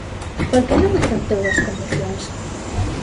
¿Por que non aceptou as condicións?